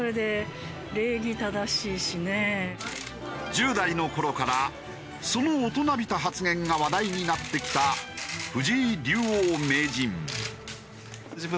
１０代の頃からその大人びた発言が話題になってきた藤井竜王・名人。